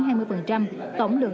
tổng lượng thực phẩm